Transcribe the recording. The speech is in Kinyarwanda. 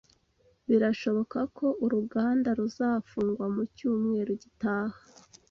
Birashoboka ko uruganda ruzafungwa mucyumweru gitaha